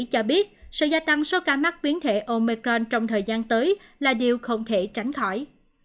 cho biết sự gia tăng số ca mắc biến thể omecron trong thời gian tới là điều không thể tránh khỏi